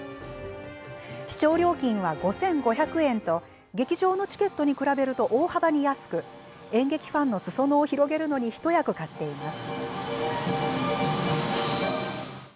視聴料金は５５００円と劇場のチケットに比べると大幅に安く演劇ファンのすそ野を広げるのに一役買っています。